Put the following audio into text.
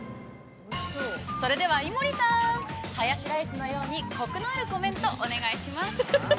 ◆それでは、井森さんハヤシライスのようにコクのあるコメントお願いします。